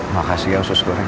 makasih ya usus goreng